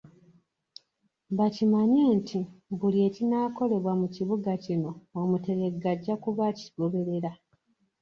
Bakimanye nti buli kinaakolebwa mu kibuga kino Omuteregga ajja kubeera akigoberera.